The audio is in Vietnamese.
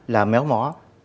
là méo mó